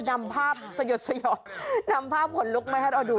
นำภาพสยดสยองนำภาพขนลุกมาให้เราดู